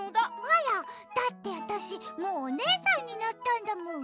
あら？だってわたしもうおねえさんになったんだもん。